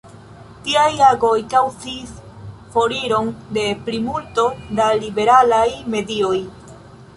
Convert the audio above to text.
Tiaj agoj kaŭzis foriron de plimulto da liberalaj medioj.